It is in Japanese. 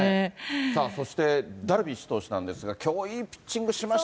さあ、そしてダルビッシュ投手なんですが、きょう、いいピッチングしま